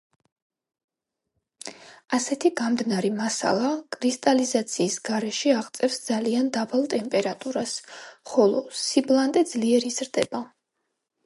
ასეთი გამდნარი მასალა კრისტალიზაციის გარეშე აღწევს ძალიან დაბალ ტემპერატურას, ხოლო სიბლანტე ძლიერ იზრდება.